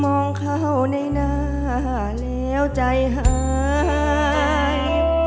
มองเข้าในหน้าแล้วใจหาย